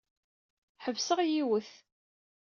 Ḥebseɣ yiwet.